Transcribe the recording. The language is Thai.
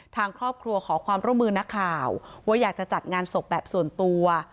ทางครอบครัวขอความร่วมมือนักข่าวว่าอยากจะจัดงานศพแบบส่วนตัว